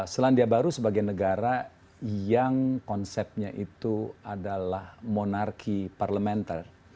selandia baru sebagai negara yang konsepnya itu adalah monarki parlementer